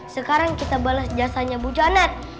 sekarang kita balas jasanya bu janet